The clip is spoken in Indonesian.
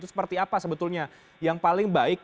itu seperti apa sebetulnya yang paling baik